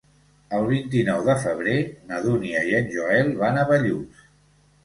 El vint-i-nou de febrer na Dúnia i en Joel van a Bellús.